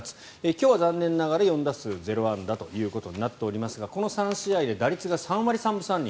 今日は残念ながら４打数０安打となっておりますがこの３試合で打率が３割３分３厘。